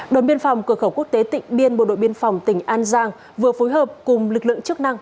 đồn biên phòng cửa khẩu quốc tế tịnh biên bộ đội biên phòng tỉnh an giang vừa phối hợp cùng lực lượng chức năng